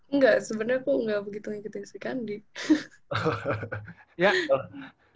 enggak sebenernya aku enggak begitu ngikutin sri kandi